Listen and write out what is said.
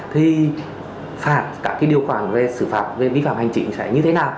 thì các điều khoản về sử phạm vi phạm hành trình sẽ như thế nào